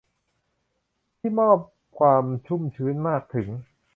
ที่มอบความชุ่มชื้นมากถึง